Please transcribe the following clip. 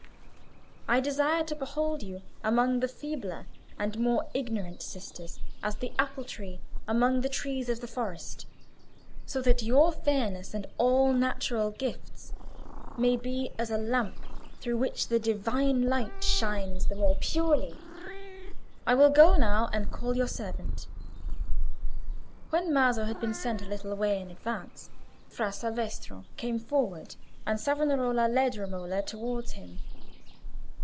I desire to behold you among the feebler and more ignorant sisters as the apple tree among the trees of the forest, so that your fairness and all natural gifts may be but as a lamp through which the Divine light shines the more purely. I will go now and call your servant." When Maso had been sent a little way in advance, Fra Salvestro came forward, and Savonarola led Romola towards him.